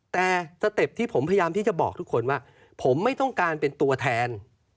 แต่สเต็ปที่ผมพยายามที่จะบอกทุกคนว่าผมไม่ต้องการเป็นตัวแทน